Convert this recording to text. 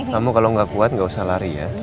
kamu kalo gak kuat gak usah lari ya